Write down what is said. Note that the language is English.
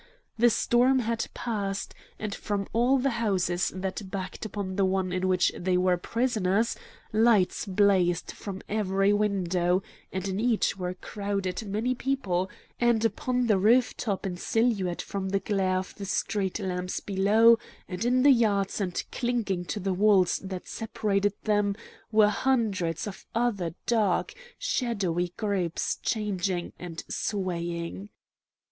The storm had passed, and from all the houses that backed upon the one in which they were prisoners lights blazed from every window, and in each were crowded many people, and upon the roof tops in silhouette from the glare of the street lamps below, and in the yards and clinging to the walls that separated them, were hundreds of other dark, shadowy groups changing and swaying.